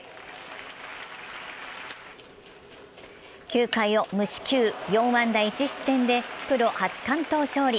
９回を無四球、４安打１失点でプロ初完投勝利。